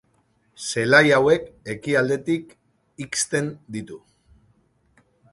Zelai hauek ekialdetik ixten ditu.